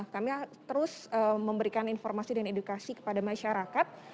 kami terus memberikan informasi dan edukasi kepada masyarakat